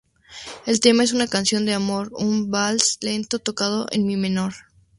El tema es una canción de amor, un vals lento tocado en mi menor.